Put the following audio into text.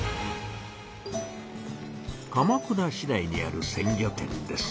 鎌倉市内にある鮮魚店です。